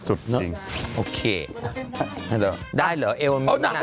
สุดจริงนะฮะโอเคได้เหรอเอวนมิ้วน่ะอ๋อน่ะ